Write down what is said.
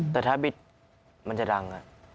แต่ถ้าบิดมันจะดัง